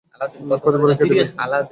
ক্ষতিপূরণ কে দেবে?